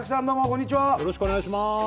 よろしくお願いします。